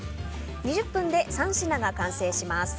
２０分で３品が完成します。